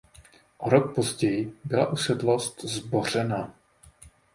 O rok později byla usedlost zbořena.